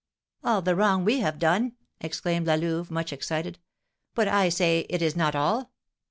"All the wrong we have done!" exclaimed La Louve, much excited. "But I say it is not all.